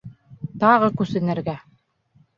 Тағы күсенергә!